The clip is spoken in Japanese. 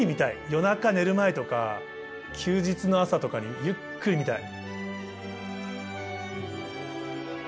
夜中寝る前とか休日の朝とかにゆっくり見たい。